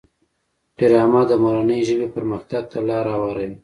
ډرامه د مورنۍ ژبې پرمختګ ته لاره هواروي